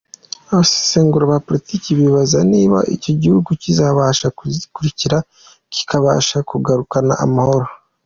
Abasesengura politiki bibaza niba icyo gihugu kizabasha kuzikurikiza kikabasha kugarukana amahoro.